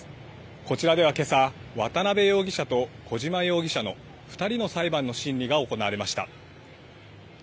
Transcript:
こちらではけさ、渡邉容疑者と小島容疑者の２人の裁判の審理が行われました。